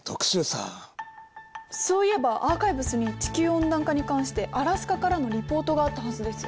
そういえばアーカイブスに地球温暖化に関してアラスカからのリポートがあったはずです。